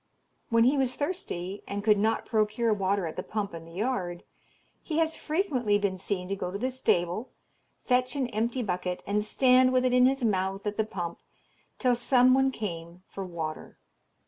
When he was thirsty, and could not procure water at the pump in the yard, he has frequently been seen to go to the stable, fetch an empty bucket, and stand with it in his mouth at the pump till some one came for water.